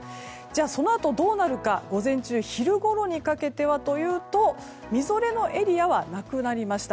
そのあとどうなるか午前中、昼ごろにかけてはみぞれのエリアはなくなりました。